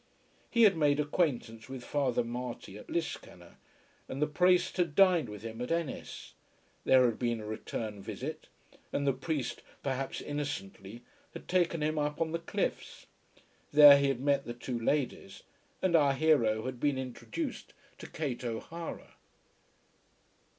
He had made acquaintance with Father Marty at Liscannor, and the priest had dined with him at Ennis. There had been a return visit, and the priest, perhaps innocently, had taken him up on the cliffs. There he had met the two ladies, and our hero had been introduced to Kate O'Hara.